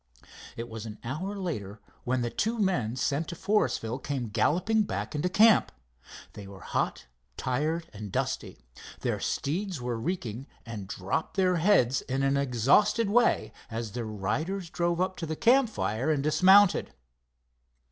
It was an hour later when the two men sent to Forestville came galloping back into camp. They were hot, tired and dusty. Their steeds were reeking, and dropped their heads in an exhausted way as their riders drove up to the campfire and dismounted.